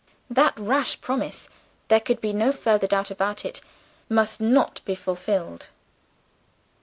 That rash promise, there could be no further doubt about it, must not be fulfilled.